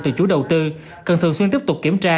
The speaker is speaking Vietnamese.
từ chủ đầu tư cần thường xuyên tiếp tục kiểm tra